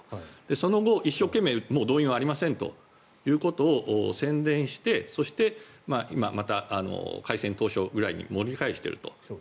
その後、一生懸命もう動員はありませんということを宣伝してそして今また開戦当初ぐらいに盛り返していると。